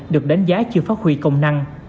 được đánh giá chưa phát huy công năng